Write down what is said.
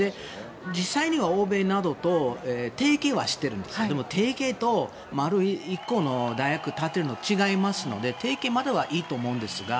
実際には欧米などと提携はしてるんですけどでも、提携と丸１個の大学を建てるのは違いますので提携まではいいと思うんですが。